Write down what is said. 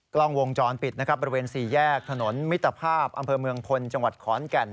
กล้องวงจรปิดนะครับบริเวณ๔แยกถนนมิตรภาพอำเภอเมืองพลจังหวัดขอนแก่น